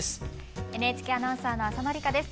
ＮＨＫアナウンサーの浅野里香です。